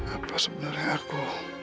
apa sebenarnya aku